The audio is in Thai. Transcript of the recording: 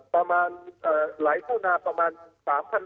ประมาณไหลเข้ามาประมาณ๓๐๐๐๕๐๐๐ไล่ครับ